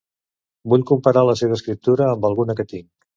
Vull comparar la seva escriptura amb alguna que tinc.